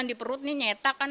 di perut ini nyetak kan